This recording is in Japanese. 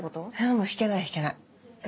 もうひけないひけない。